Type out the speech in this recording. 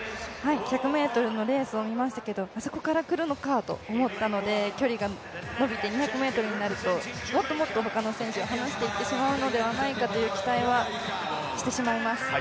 １００ｍのレースを見ましたけれども、あそこから伸びてくるのかと思いましたので、距離が伸びて、２００ｍになると、もっともっと他の選手をはなしていってしまうのではないかという期待はしてしまいます。